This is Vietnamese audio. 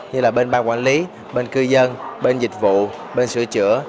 như là bên ban quản lý bên cư dân bên dịch vụ bên sửa chữa